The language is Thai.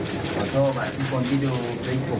สวัสดีครับทุกคน